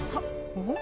おっ！